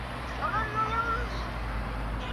oteza maisha na wengine kuhama makazi yao